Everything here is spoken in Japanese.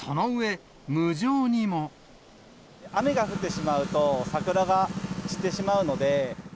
雨が降ってしまうと、桜が散ってしまうので。